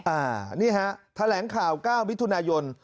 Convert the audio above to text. อ่านี่ฮะแถลงข่าว๙วิทยุณาญนตร์